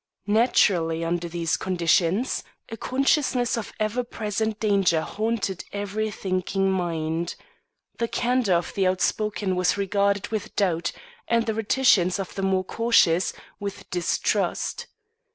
Naturally under these conditions, a consciousness of ever present danger haunted every thinking mind. The candor of the outspoken was regarded with doubt, and the reticence of the more cautious, with distrust.